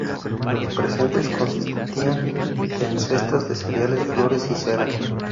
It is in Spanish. Los presentes consistían en cestas de cereales, flores y cera.